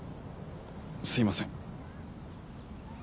すいません。